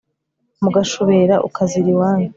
mugashubera ukazira iwanyu